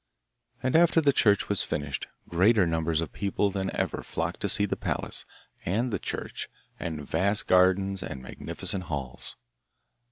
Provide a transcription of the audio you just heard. And after the church was finished greater numbers of people than ever flocked to see the palace and the church and vast gardens and magnificent halls.